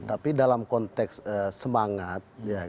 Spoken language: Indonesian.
tapi dalam konteks semangat